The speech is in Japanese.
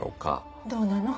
どうなの？